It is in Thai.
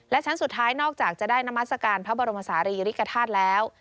และชั้นสุดท้ายนอกจากจะได้นามัศกาลพระบรมศาลีริกฐาตุแล้ว